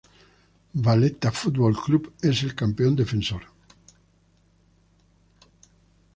Valletta Football Club es el campeón defensor.